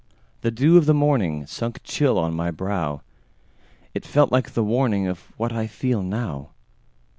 The dew of the morningSunk chill on my brow; It felt like the warningOf what I feel now.